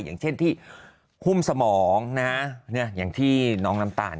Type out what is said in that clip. อย่างเช่นที่หุ้มสมองอย่างที่น้องน้ำตาล